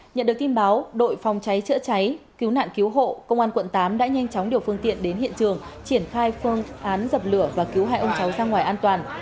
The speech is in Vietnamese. nhận được tin báo đội phòng cháy chữa cháy cứu nạn cứu hộ công an quận tám đã nhanh chóng điều phương tiện đến hiện trường triển khai phương án dập lửa và cứu hai ông cháu ra ngoài an toàn